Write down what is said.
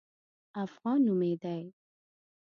افغان نومېدی.